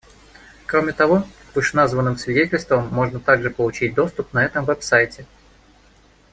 Кроме того, к вышеназванным свидетельствам можно также получить доступ на этом веб-сайте.